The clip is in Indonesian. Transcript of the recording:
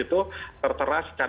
itu seperti satu priceier